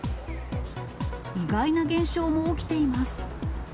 意外な現象も起きています。